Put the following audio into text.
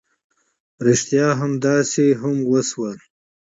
ريښتيا همداسې هم وشول.